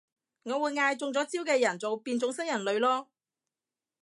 我會嗌中咗招嘅人做變種新人類囉